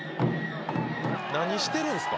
何してるんすか？